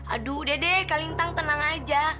aduh udah deh kak lintang tenang aja